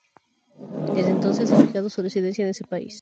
Desde entonces ha fijado su residencia en ese país.